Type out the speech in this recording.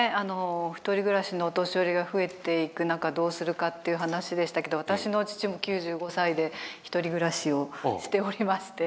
独り暮らしのお年寄りが増えていく中どうするかっていう話でしたけど私の父も９５歳で独り暮らしをしておりまして。